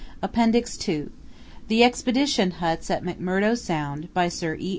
APPENDIX II THE EXPEDITION HUTS AT McMURDO SOUND By SIR E.